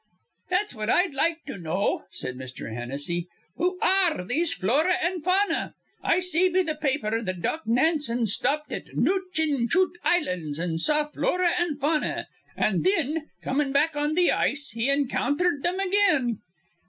"That's what I'd like to know," said Mr. Hennessy. "Who ar re these Flora an' Fauna? I see be th' pa aper that Doc Nansen stopped at Nootchinchoot Islands, an' saw Flora an' Fauna; an' thin, comin' back on th' ice, he encountherd thim again."